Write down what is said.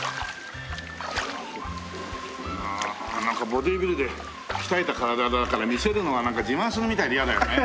ああなんかボディビルで鍛えた体だから見せるのがなんか自慢するみたいで嫌だよね。